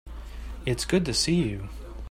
It's good to see you.